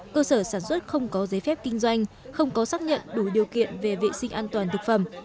cơ sở sản xuất không có giấy phép kinh doanh không có xác nhận đủ điều kiện về vệ sinh an toàn thực phẩm